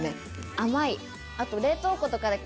甘い。